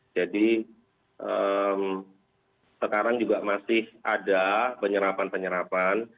jadi sekarang juga masih ada penyerapan penyerapan